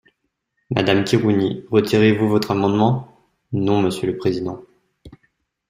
Madame Khirouni, retirez-vous votre amendement ? Non, monsieur le président.